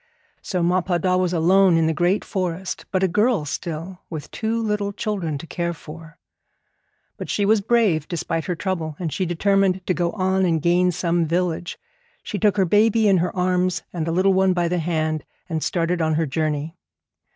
So Ma Pa Da was alone in the great forest, but a girl still, with two little children to care for. But she was brave, despite her trouble, and she determined to go on and gain some village. She took her baby in her arms and the little one by the hand, and started on her journey.